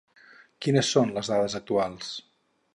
Quines són les dades actuals?